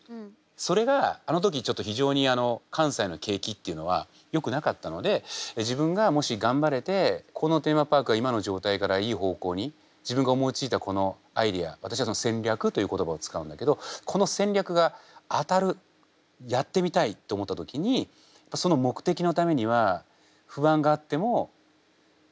それがあの時ちょっと非常にあの関西の景気っていうのはよくなかったので自分がもし頑張れてこのテーマパークが今の状態からいい方向に自分が思いついたこのアイデア私は戦略という言葉を使うんだけどこの戦略が当たるやってみたいって思った時にでもあいい質問ですね